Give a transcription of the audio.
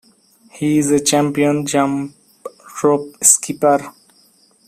He is a champion jump rope skipper.